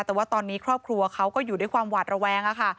แต่ว่าตอนนี้ครอบครัวเขาก็อยู่ด้วยความหวาดระแวง